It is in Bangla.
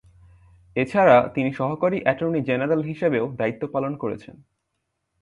এছাড়া, তিনি সহকারী অ্যাটর্নি জেনারেল হিসেবেও দায়িত্ব পালন করেছেন।